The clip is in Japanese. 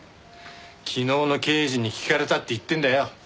昨日の刑事に聞かれたって言ってんだよ。